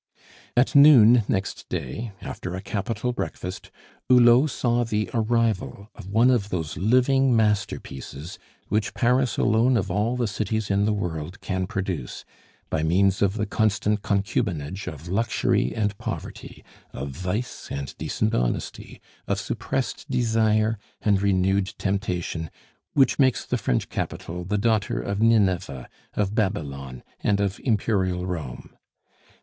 At noon next day, after a capital breakfast, Hulot saw the arrival of one of those living masterpieces which Paris alone of all the cities in the world can produce, by means of the constant concubinage of luxury and poverty, of vice and decent honesty, of suppressed desire and renewed temptation, which makes the French capital the daughter of Ninevah, of Babylon, and of Imperial Rome.